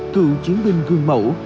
cựu chiến binh gương mẫu